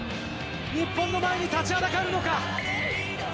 日本の前に立ちはだかるのか。